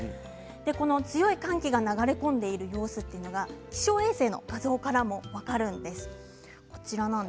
この強い寒気が流れ込んでいるのは気象衛星の画像からも分かるんです。